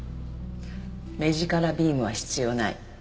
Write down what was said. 目力ビームは必要ない。